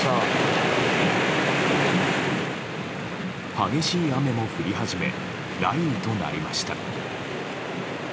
激しい雨も降り始め雷雨となりました。